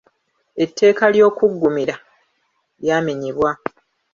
Etteeka ly’okuggumira lyamenyebwa.